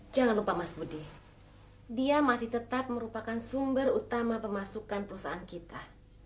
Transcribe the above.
jangan lupa mas budi dia masih tetap merupakan sumber utama pemasukan perusahaan kita